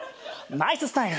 ナイススタイル。